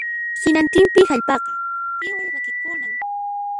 Hinantinpin hallp'aqa iwal rakikunan